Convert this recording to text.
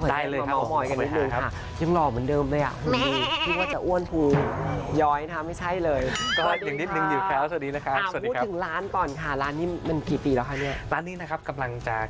คุณผู้ชมไม่เจอนานหนึ่งหล่อเหมือนเดิมเลยค่ะคุณผู้ชมไม่เจอนานหนึ่งหายคิดถึงนะคะถ้าลูกคุณออกมาได้มั้ยคะ